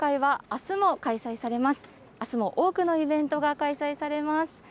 あすも多くのイベントが開催されます。